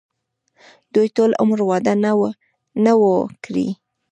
دوي ټول عمر وادۀ نۀ وو کړے